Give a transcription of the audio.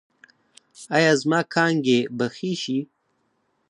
ایا زما کانګې به ښې شي؟